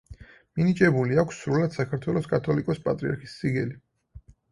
მინიჭებული აქვს სრულიად საქართველოს კათოლიკოს-პატრიარქის სიგელი.